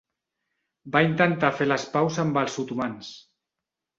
Va intentar fer les paus amb els otomans.